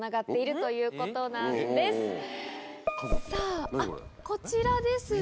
さぁあっこちらですね。